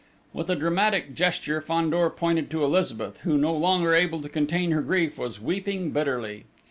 With a dramatic gesture Fandor pointed to Elizabeth, who, no longer able to contain her grief, was weeping bitterly.